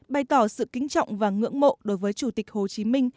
bày tỏ sự kính trọng và ngưỡng mộ đối với chủ tịch hồ chí minh